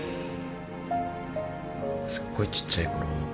すっごいちっちゃいころ